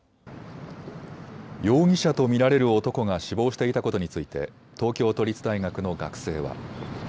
容疑者と見られる男が死亡していたことについて東京都立大学の学生は。